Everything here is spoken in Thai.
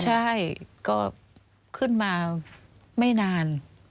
ใช่ก็ขึ้นมาไม่นาน